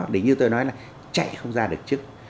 để như tôi nói là chạy không ra được chức